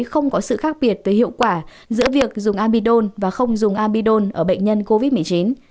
không có sự khác biệt về hiệu quả giữa việc dùng amidon và không dùng amidon ở bệnh nhân covid một mươi chín